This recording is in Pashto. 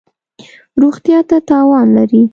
روغتیا ته تاوان لری